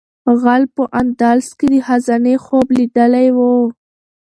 غل په اندلس کې د خزانې خوب لیدلی و.